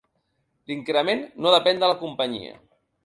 L'increment no depèn de la companyia.